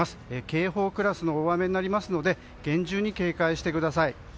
警報クラスの大雨になりますので厳重に警戒してください。